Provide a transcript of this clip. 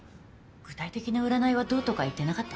具体的な占いはどうとか言ってなかった？